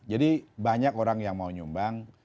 jadi banyak orang yang mau nyumbang